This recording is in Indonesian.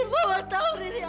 mama tau riri anak siapa